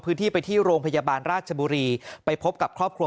พื้นที่ไปที่โรงพยาบาลราชบุรีไปพบกับครอบครัว